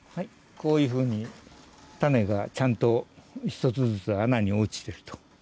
こういうふうに種がちゃんと１つずつ穴に落ちていると。